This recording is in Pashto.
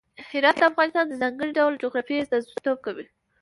هرات د افغانستان د ځانګړي ډول جغرافیه استازیتوب کوي.